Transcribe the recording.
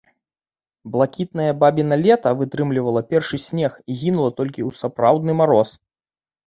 Блакітнае бабіна лета вытрымлівала першы снег і гінула толькі ў сапраўдны мароз.